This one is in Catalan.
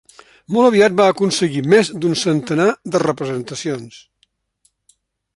Molt aviat va aconseguir més d'un centenar de representacions.